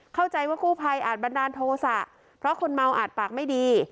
เข้าใจว่ากู้ภัยอาจบันดาลโทษะเพราะคนเมาอาจปากไม่ดี